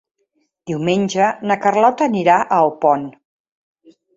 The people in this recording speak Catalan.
Diumenge na Carlota anirà a Alpont.